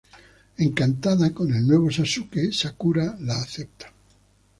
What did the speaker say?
Encantada con el nuevo Sasuke, Sakura la acepta.